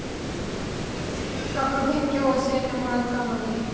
せっかく勉強教えてもらったのに。